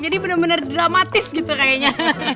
jadi bener bener dramatis gitu kayaknya